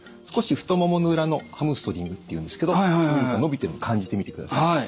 少し太ももの裏のハムストリングっていうんですけど伸びてるのを感じてみてください。